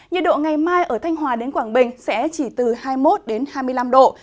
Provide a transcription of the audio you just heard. nhiệt độ ngày mai ở thanh hòa đến quảng bình sẽ chỉ từ hai mươi một hai mươi năm độ